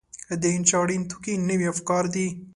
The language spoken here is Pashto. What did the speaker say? د انشأ اړین توکي نوي افکار دي.